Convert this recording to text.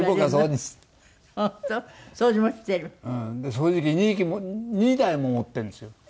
掃除機２台も持ってるんですよ。